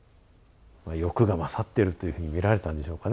欲が勝っているというふうに見られたんでしょうかね？